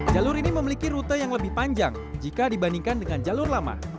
jalur ini memiliki rute yang lebih panjang jika dibandingkan dengan jalur lama